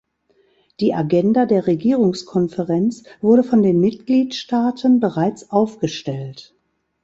Die Agenda der Regierungskonferenz wurde von den Mitgliedstaaten bereits aufgestellt.